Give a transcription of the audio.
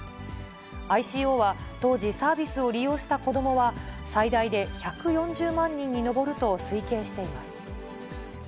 ＩＣＯは、当時、サービスを利用した子どもは最大で１４０万人に上ると推計しています。